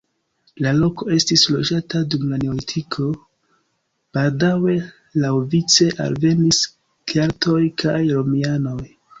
La loko estis loĝata dum la neolitiko, baldaŭe laŭvice alvenis keltoj kaj romianoj.